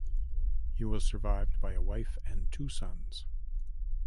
He was survived by a wife and two sons.